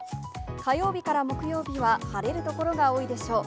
火曜日から木曜日は晴れる所が多いでしょう。